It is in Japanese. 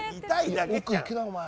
奥行くな、お前。